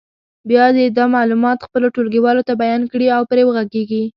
بیا دې دا معلومات خپلو ټولګیوالو ته بیان کړي او پرې وغږېږي.